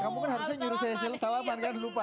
kamu kan harusnya nyuruh saya salaman kan lupa